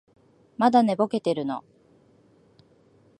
まだ寝ぼけてるの？